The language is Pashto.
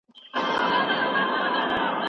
آیا ضخامت تر اوږدوالي کم وي؟